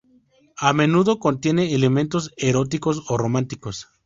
A menudo contiene elementos eróticos o románticos.